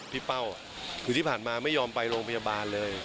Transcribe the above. เป้าคือที่ผ่านมาไม่ยอมไปโรงพยาบาลเลย